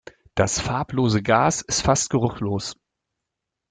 Das farblose Gas ist fast geruchlos.